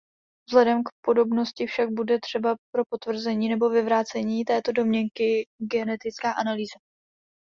Vzhledem k podobnosti však bude třeba pro potvrzení nebo vyvrácení této domněnky genetická analýza.